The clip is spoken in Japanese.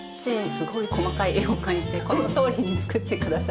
すごく細かい絵を描いてこのとおりに造ってくださいって。